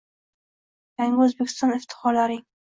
Yangi O‘zbekiston iftixorlaring